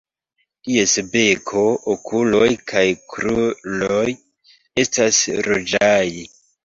Ties beko, okuloj kaj kruroj estas ruĝaj.